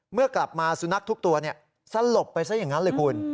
เมื่อกลับมาสุนัขทุกตัวสลบไปซะอย่างนั้นเลยคุณ